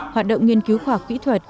hoạt động nghiên cứu khoa học kỹ thuật